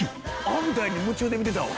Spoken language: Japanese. アホみたいに夢中で見てたわ。